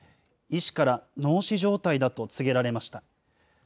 医師から脳死状態だと告げられました。